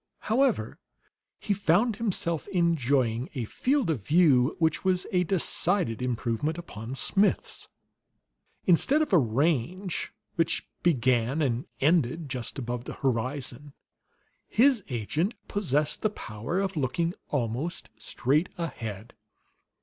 However, he found himself enjoying a field of view which was a decided improvement upon Smith's. Instead of a range which began and ended just above the horizon, his agent possessed the power of looking almost straight ahead.